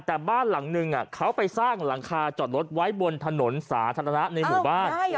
แต่บ้านหลังนึงเขาไปสร้างหลังคาจอดรถไว้บนถนนสาธารณะในหมู่บ้าน